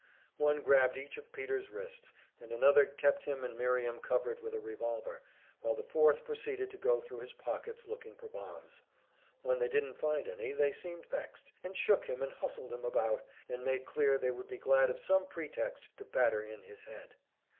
One grabbed each of Peter's wrists, and another kept him and Miriam covered with a revolver, while the fourth proceeded to go thru his pockets, looking for bombs. When they didn't find any, they seemed vexed, and shook him and hustled him about, and made clear they would be glad of some pretext to batter in his head.